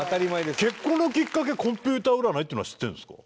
結婚のきっかけがコンピューター占いっていうのは知ってるんですか？